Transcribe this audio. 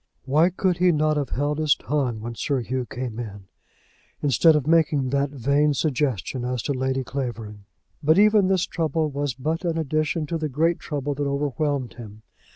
Why could he not have held his tongue when Sir Hugh came in, instead of making that vain suggestion as to Lady Clavering? But even this trouble was but an addition to the great trouble that overwhelmed him.